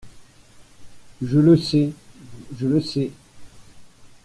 Je le sais… je le sais.